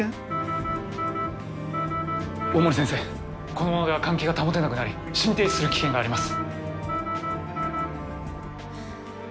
このままでは換気が保てなくなり心停止する危険があります。